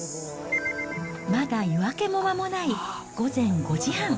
まだ夜明けも間もない午前５時半。